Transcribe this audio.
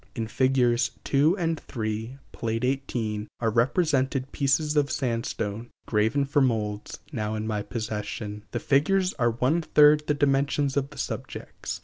In Figs. 2 and 3, Pl. XVIII, are represented pieces of sand stone, graven for molds, now in my possession. The figures are one third the dimensions of the subjects.